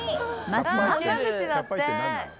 まずは。